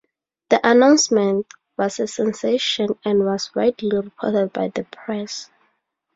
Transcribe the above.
The announcement was a sensation and was widely reported by the press.